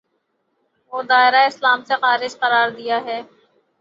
اور دائرۂ اسلام سے خارج قرار دیا ہے